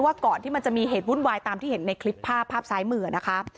ก่อนที่มันจะมีเหตุวุ่นวายตามที่เห็นในคลิปภาพภาพซ้ายมือนะคะ